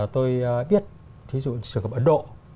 tôi biết ví dụ trường hợp ấn độ